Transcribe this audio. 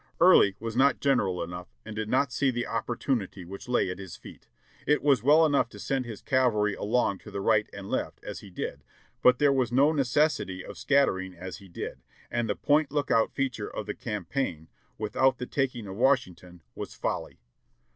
Early was not general enough and did not see the opportunity which lay at his feet. It was well enough to send his cavalry along to the right and left, as he did, but there was no necessity of scattering as he did, and the 'Point Look out' feature of the campaign, without the taking of Washington, was folly.